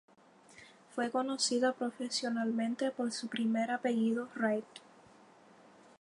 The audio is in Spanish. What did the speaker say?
Fue conocida profesionalmente por su primer apellido, Wright.